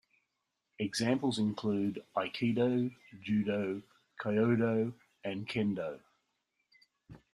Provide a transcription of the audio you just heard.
Examples include aikido, judo, kyudo, and kendo.